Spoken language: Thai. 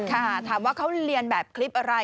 ค่ะถามว่าเขาเรียนแบบคลิปอะไร